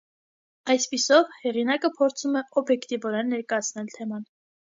Այսպիսով, հեղինակը փորձում է օբյեկտիվորեն ներկայացնել թեման։